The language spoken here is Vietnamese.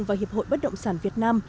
và hiệp hội bất động sản việt nam